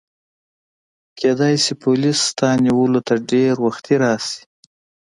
کیدای شي پولیس ستا نیولو ته ډېر وختي راشي.